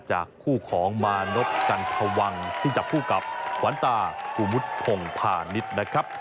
จากคู่ของมานบกันทวังที่จับคู่กับหวานตากุมุทพงษ์ผ่านิตนะครับ